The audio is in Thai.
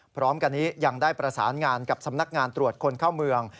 พร้อมกันนี้ยังได้ประสานงานกับสำนักงานตรวจคนเข้าเมือง